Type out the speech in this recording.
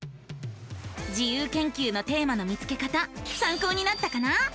自由研究のテーマの見つけ方さんこうになったかな？